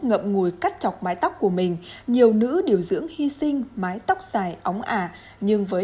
ngậm ngùi cắt chọc mái tóc của mình nhiều nữ điều dưỡng hy sinh mái tóc dài óng ả nhưng với